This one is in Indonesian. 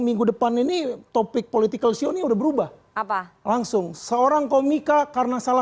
minggu depan ini topik political show ini udah berubah langsung seorang komika karena salah